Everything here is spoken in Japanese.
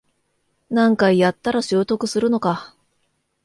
何回やったら習得するのか